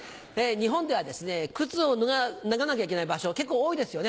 日本では靴を脱がなきゃいけない場所結構多いですよね？